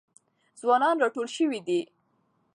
ځوانان راټول سوي دي.